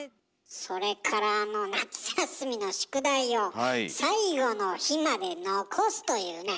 それからあの夏休みの宿題を最後の日まで残すというね。